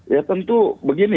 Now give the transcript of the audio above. ya tentu begini